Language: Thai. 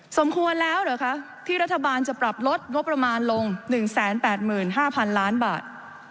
สมควรแล้วเหรอคะที่รัฐบาลจะปรับลดงบประมาณลง๑๘๕๐๐๐ล้านบาท